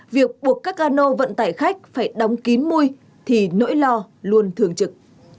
việc buộc các cano vận tải khách phải đóng kín mùi thì nỗi lo luôn thường trực